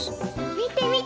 みてみて！